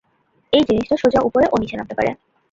এই জিনিসটা সোজা উপরে ও নিচে নামতে পারে।